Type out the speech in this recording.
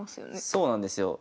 そうなんですよ。